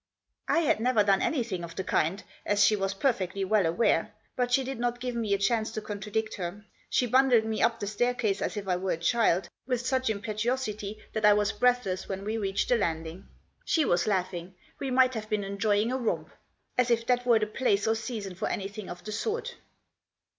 I had never done anything of the kind, as she was perfectly well aware. But she did not give me a chance to contradict her. She bundled me up the staircase as if I were a child, with such impetuosity that I was breathless when we reached the landing. Digitized by 108 THE JOSS. She was laughing. We might have been enjoying a romp. As if that were the place or season for anything of the sort